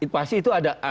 pasti itu ada